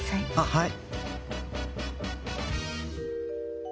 はい。